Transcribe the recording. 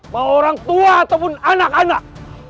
mau orang tua ataupun anak anak